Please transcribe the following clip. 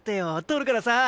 撮るからさ。